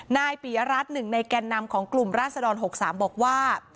นายปียรัฐหนึ่งในแก่นนำของกลุ่มราศดร๖๓บอกว่า